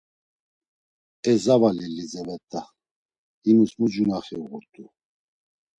E zavali Lizevetta, himus mu cunaxi uğurt̆u.